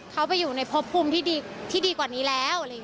เขาไปอยู่ในพบภูมิที่ดีกว่านี้แล้ว